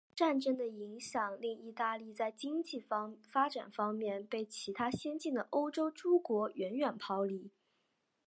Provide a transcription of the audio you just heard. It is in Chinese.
战争的影响令意大利在经济发展方面被其他先进的欧洲诸国远远抛离。